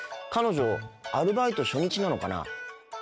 彼女アルバイト初日なのかな。